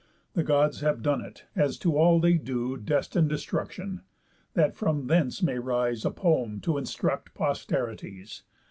The Gods have done it; as to all they do Destine destruction, that from thence may rise A poem to instruct posterities.